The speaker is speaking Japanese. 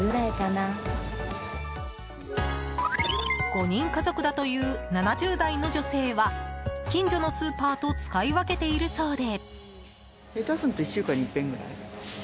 ５人家族だという７０代の女性は近所のスーパーと使い分けているそうで。